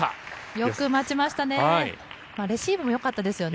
よく待ちましたね。